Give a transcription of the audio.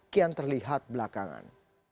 kian terlihat belakangan